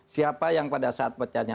siapa yang pada saat pecahnya